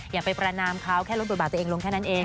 อย่าไปประนามเขาแค่ลดบทบาทตัวเองลงแค่นั้นเอง